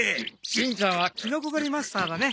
しんちゃんはキノコ狩りマスターだね。